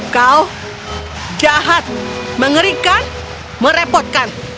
kau jahat mengerikan merepotkan